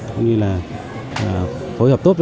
cũng như là phối hợp tốt với nhau